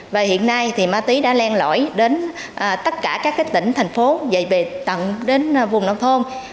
và hiện nay thì ma túy đã len lõi đến tất cả các tỉnh thành phố dạy về tận đến vùng nông thôn